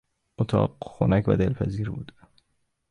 اتاق خنک و دلپذیر بود.